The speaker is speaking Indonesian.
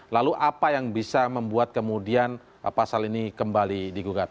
lalu apa yang bisa membuat kemudian pasal ini kembali digugat